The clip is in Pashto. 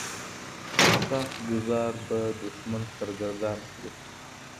سخت ګوزار به دښمن سرګردانه کړي.